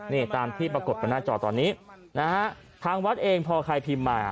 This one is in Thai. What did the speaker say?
นี่ตามที่ปรากฏบนหน้าจอตอนนี้นะฮะทางวัดเองพอใครพิมพ์มา